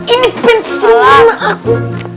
ini pincisin aku